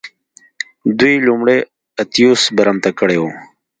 دوی لومړی اتیوس برمته کړی و